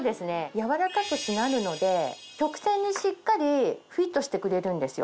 柔らかくしなるので曲線にしっかりフィットしてくれるんですよ。